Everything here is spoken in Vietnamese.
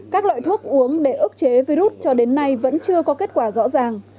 các loại thuốc uống để ức chế virus cho đến nay vẫn chưa có kết quả rõ ràng